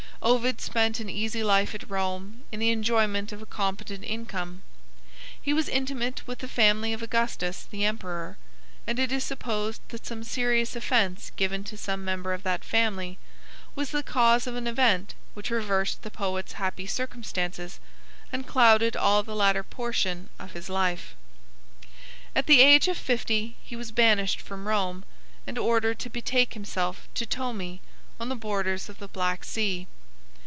Ovid spent an easy life at Rome in the enjoyment of a competent income. He was intimate with the family of Augustus, the emperor, and it is supposed that some serious offence given to some member of that family was the cause of an event which reversed the poet's happy circumstances and clouded all the latter portion of his life. At the age of fifty he was banished from Rome, and ordered to betake himself to Tomi, on the borders of the Black Sea.